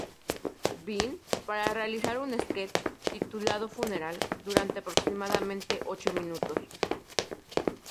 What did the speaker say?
Bean para realizar un sketch titulado "Funeral" durante aproximadamente ocho minutos.